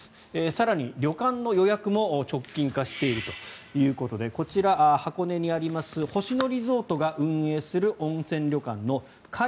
更に、旅館の予約も直近化しているということでこちら、箱根にあります星野リゾートが運営する温泉旅館の界